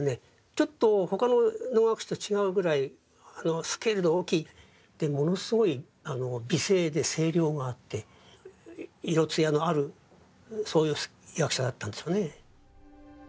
ちょっと他の能楽師と違うぐらいスケールの大きいでものすごい美声で声量があって色艶のあるそういう役者だったんでしょうね。